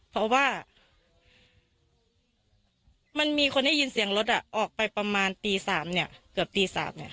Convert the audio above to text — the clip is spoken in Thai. เพราะว่ามันมีคนได้ยินเสียงรถออกไปประมาณตี๓เกือบตี๓